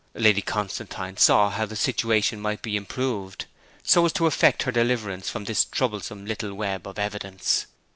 Lady Constantine saw how the situation might be improved so as to effect her deliverance from this troublesome little web of evidence.